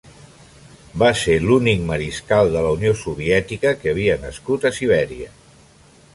Va ser l'únic mariscal de la Unió Soviètica que havia nascut a Sibèria.